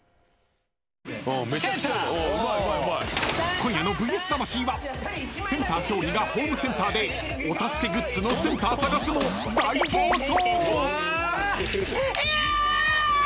今夜の「ＶＳ魂」はセンター勝利がホームセンターでお助けグッズのセンター探すも大暴走！